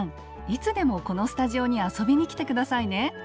いつでもこのスタジオに遊びに来て下さいね。